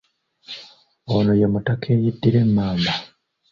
Ono ye mutaka eyeddira emmamba.